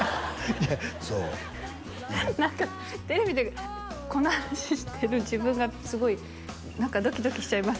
そうなんかテレビでこんな話してる自分がすごいなんかドキドキしちゃいます